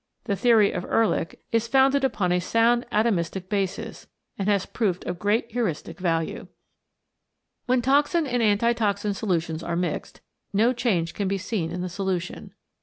The theory of Ehrlich is founded upon a sound atomistic basis, and has proved of great heuristic value. When toxin and antitoxin solutions are mixed, no change can be seen in the solution.